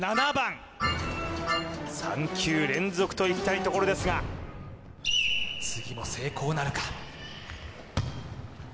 ３球連続といきたいところですが次も成功なるか？